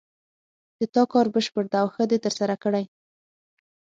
د تا کار بشپړ ده او ښه د ترسره کړې